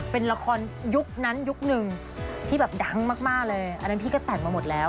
เป็นละครยุคนั้นยุคนึงที่แบบดังมากเลยอันนั้นพี่ก็แต่งมาหมดแล้ว